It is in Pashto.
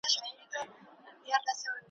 اوس پر څه دي جوړي کړي غلبلې دي `